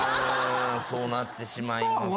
そうなってしまいますね。